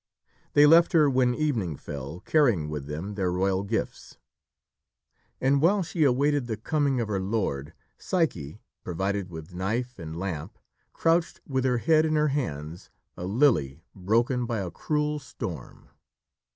They left her when evening fell, carrying with them their royal gifts. And while she awaited the coming of her lord, Psyche, provided with knife and lamp, crouched with her head in her hands, a lily broken by a cruel storm.